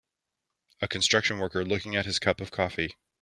A construction worker looking at his cup of coffee.